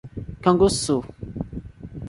Canguçu